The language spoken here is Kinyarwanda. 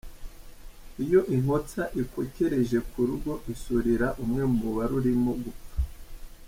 « Iyo inkotsa ikokereje ku rugo isurira umwe mu barurimo gupfa ».